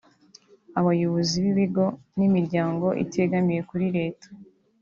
abayobozi b’ibigo n’imiryango itegamiye kuri leta